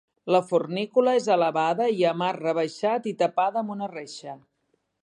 La fornícula és elevada i amb arc rebaixat i tapada amb una reixa.